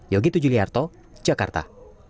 yogi tujuliarto jakarta